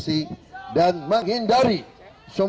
saya tegaskan disini